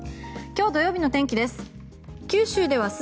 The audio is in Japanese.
今日、土曜日の天気です。